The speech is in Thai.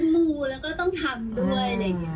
มูแล้วก็ต้องทำด้วย